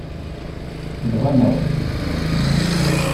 Tenɣam-aɣ-t.